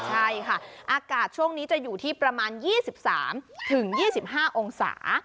ใช่ค่ะอากาศช่วงนี้จะอยู่ที่ประมาณ๒๓๒๕องศา